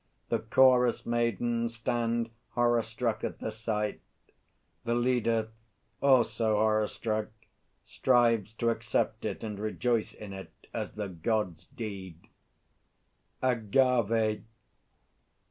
The_ CHORUS MAIDENS stand horror struck at the sight; the LEADER, also horror struck, strives to accept it and rejoice in it as the God's deed. AGAVE.